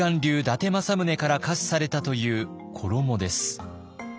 伊達政宗から下賜されたという衣です。